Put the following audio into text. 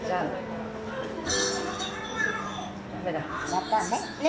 またね。